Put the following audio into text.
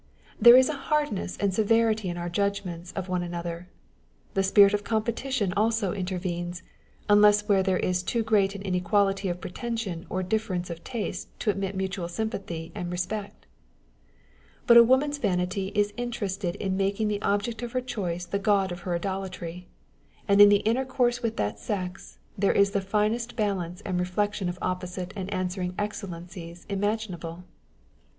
There is a hardness and severity in our judgments of one another ; the spirit of competition also intervenes, unless where there is too great an inequality of pretension or difference of taste to admit of mutual sympathy and respect ; but a woman's vanity is interested in making the object of her choice the god of her idolatry ; and hi the intercourse with that sex, there is the finest balance and reflection of opposite and answering excellences imaginable